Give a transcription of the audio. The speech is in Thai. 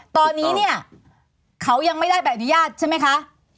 ตอนนี้เนี่ยเขายังไม่ได้ใบอนุญาตใช่ไหมคะ